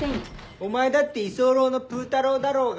お前だって居候のプータローだろうが。